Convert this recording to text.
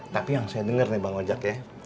tapi yang saya denger nih bang ojak ya